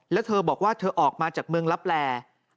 แล้วเธอบอกว่าเธอออกมาจากเมืองลับแล